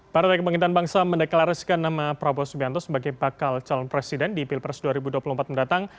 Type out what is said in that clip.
partai kebangkitan bangsa mendeklarasikan nama prabowo subianto sebagai bakal calon presiden di pilpres dua ribu dua puluh empat mendatang